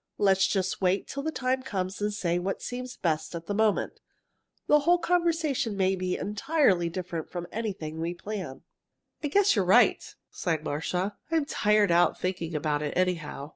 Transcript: Let's just wait till the time comes and say what seems best at the moment. The whole conversation may be entirely different from anything we plan." "I guess you're right," sighed Marcia. "I'm tired out thinking about it, anyhow."